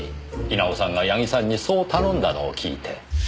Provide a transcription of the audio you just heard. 稲尾さんが矢木さんにそう頼んだのを聞いて。